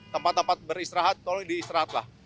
tempat tempat beristirahat tolong diistirahatlah